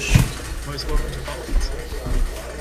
Most welcome to Bath, sir.